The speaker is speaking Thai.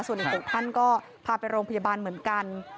ส่วนอีก๖ท่านก็พาไปโรงพยาบาลเหมือนกัน